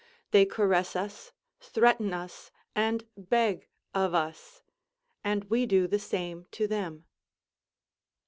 They caress us, threaten us, and beg of us, and we do the same to them.